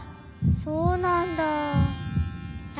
そうなんだ。